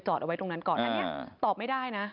จอดเอาไว้ตรงนั้นก่อนตอบไม่ได้นะ